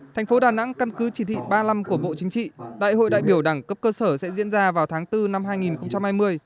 thành phố đà nẵng căn cứ chỉ thị ba mươi năm của bộ chính trị đại hội đại biểu đảng cấp cơ sở sẽ diễn ra vào tháng bốn năm hai nghìn hai mươi